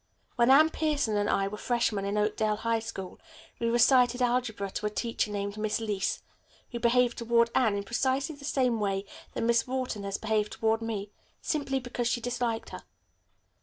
When Anne Pierson and I were freshmen in Oakdale High School we recited algebra to a teacher named Miss Leece, who behaved toward Anne in precisely the same way that Miss Wharton has behaved toward me, simply because she disliked her.